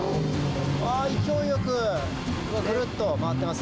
わー、勢いよくぐるっと回ってます。